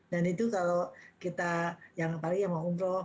dan itu kalau kita yang apalagi yang mau umroh